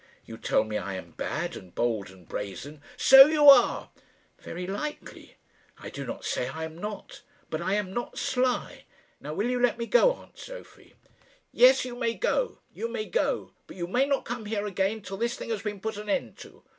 You tell me I am bad and bold and brazen." "So you are." "Very likely. I do not say I am not. But I am not sly. Now, will you let me go, aunt Sophie?" "Yes, you may go you may go; but you may not come here again till this thing has been put an end to.